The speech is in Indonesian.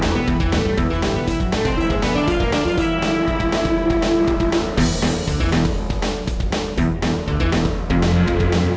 buat itu mereka mas